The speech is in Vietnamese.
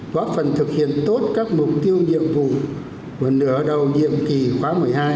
quá phần thực hiện tốt các mục tiêu nhiệm vụ của nửa đầu điệm kỳ khóa một mươi hai